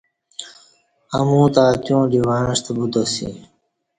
امو تہ اتیوعں دی وعݩستہ بوتاسی